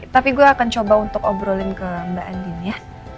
tapi gue akan coba untuk obrolin ke mbak andin ya